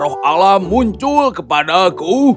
roh alam muncul kepadaku